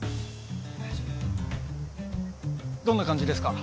どんな感じですか？